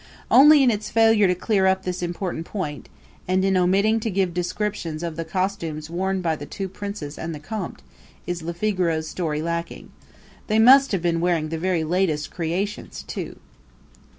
Only in its failure to clear up this important point, and in omitting to give descriptions of the costumes worn by the two princes and the comte, is Le Figaro's story lacking. They must have been wearing the very latest creations too.